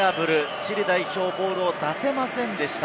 チリ代表、ボールを出せませんでした。